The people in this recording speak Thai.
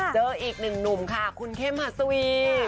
เจออีกหนึ่งหนุ่มค่ะคุณเข้มหัสวี